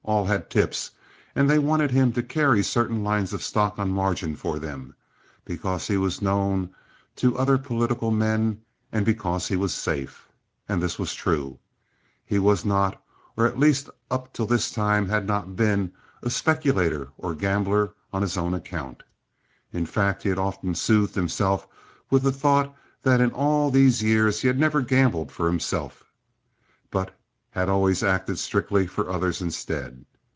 All had tips, and they wanted him to carry certain lines of stock on margin for them, because he was known to other political men, and because he was safe. And this was true. He was not, or at least up to this time had not been, a speculator or a gambler on his own account. In fact he often soothed himself with the thought that in all these years he had never gambled for himself, but had always acted strictly for others instead.